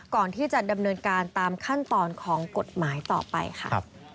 ก่อนที่จะดำเนินการตามขั้นตอนของกฎหมายต่อไปค่ะ